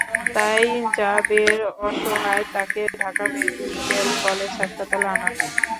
তাই র্যা বের সহায়তায় তাঁকে ঢাকা মেডিকেল কলেজ হাসপাতালে আনা হয়।